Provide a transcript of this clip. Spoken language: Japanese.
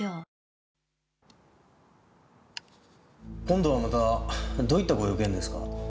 今度はまたどういったご用件ですか？